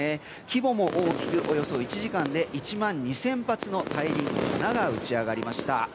規模も大きくおよそ１時間で１万２０００発の大輪の花が打ち上がりました。